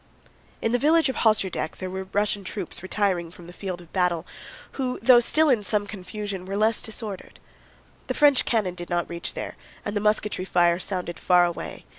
In the village of Hosjeradek there were Russian troops retiring from the field of battle, who though still in some confusion were less disordered. The French cannon did not reach there and the musketry fire sounded far away.